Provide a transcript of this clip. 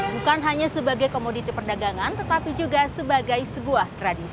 bukan hanya sebagai komoditi perdagangan tetapi juga sebagai sebuah tradisi